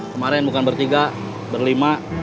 kemarin bukan bertiga berlima